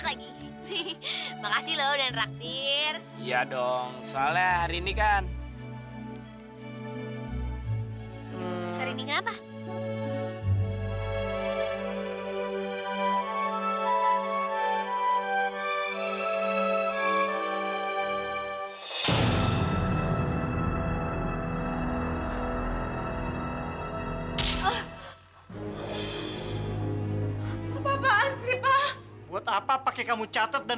sampai jumpa di video selanjutnya